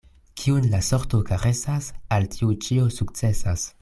Kiun la sorto karesas, al tiu ĉio sukcesas.